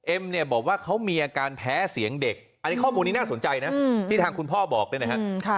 เนี่ยบอกว่าเขามีอาการแพ้เสียงเด็กอันนี้ข้อมูลนี้น่าสนใจนะที่ทางคุณพ่อบอกเนี่ยนะฮะ